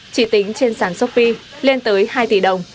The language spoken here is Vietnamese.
chỉ tính trên sản sopi lên tới hai tỷ đồng